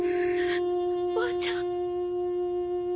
おばあちゃん？